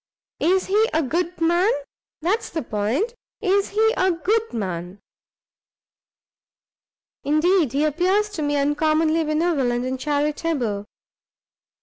"Is he a good man? that's the point, is he a good man?" "Indeed he appears to me uncommonly benevolent and charitable."